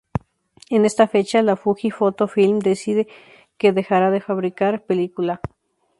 En esta fecha la Fuji Photo Film dice que dejará de fabricar película.